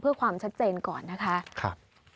เพื่อความชัดเจนก่อนนะคะค่ะค่ะ